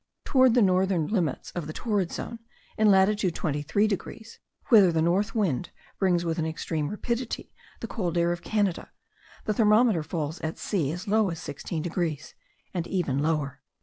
Towards the northern limits of the torrid zone, in latitude 23 degrees, whither the north winds bring with an extreme rapidity the cold air of Canada, the thermometer falls at sea as low as 16 degrees, and even lower.)